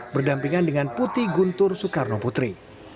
berdampingan dengan putih guntur soekarno putri